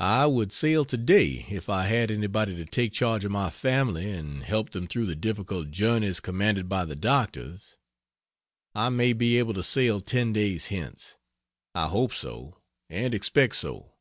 I would sail to day if I had anybody to take charge of my family and help them through the difficult journeys commanded by the doctors. I may be able to sail ten days hence; I hope so, and expect so.